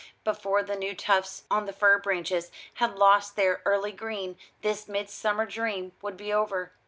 Before the new tufts on the fir branches had lost their early green, this midsummer dream would be over.